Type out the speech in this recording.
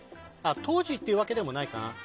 当時というわけでもないかな。